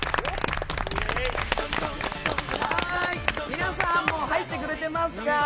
皆さん、もう入ってくれていますか？